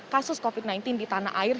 kasus covid sembilan belas di tanah air